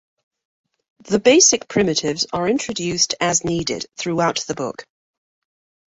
The basic primitives are introduced as needed throughout the book.